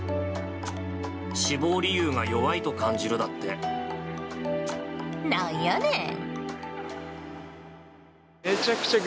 志望理由が弱いと感じるだっなんやねん。